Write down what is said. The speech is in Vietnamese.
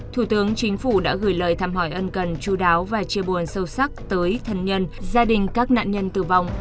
thủ tướng chính phủ đã gửi lời thăm hỏi ân cần chú đáo và chia buồn sâu sắc tới thân nhân gia đình các nạn nhân tử vong